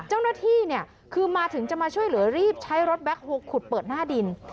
เจ้าหน้าที่เนี่ยคือมาถึงจะมาช่วยเหลือรีบใช้รถแบ็คโฮลขุดเปิดหน้าดิน